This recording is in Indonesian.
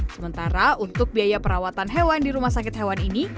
sementara untuk biaya perawatan hewan di rumah sakit hewan ini